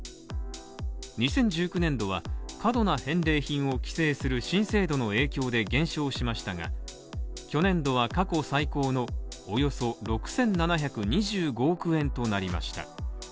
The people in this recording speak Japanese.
２０１９年度は、過度な返礼品を規制する新制度の影響で減少しましたが去年度は過去最高のおよそ６７２５億円となりました。